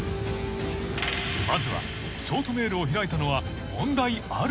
［まずはショートメールを開いたのは問題あるのか？］